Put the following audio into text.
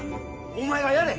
お前がやれ。